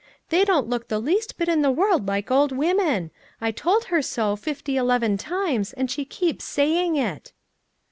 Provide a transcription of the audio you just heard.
They don't look the least bit in the word like old women. I told her so, fifty eleven times, and she keeps saying it